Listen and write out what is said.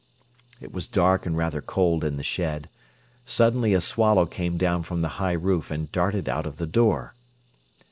It was dark and rather cold in the shed. Suddenly a swallow came down from the high roof and darted out of the door.